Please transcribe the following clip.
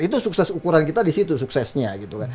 itu sukses ukuran kita di situ suksesnya